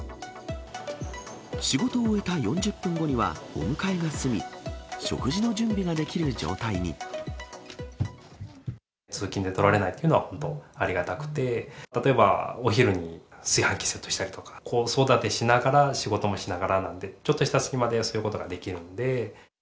仕事を終えた４０分後にはお迎えが済み、食事の準備ができる状態通勤で取られないっていうのは、本当ありがたくて、例えば、お昼に炊飯器セットしたりとか、子育てしながら仕事もしながらなんで、ちょっとした隙間でそういうことができるんで。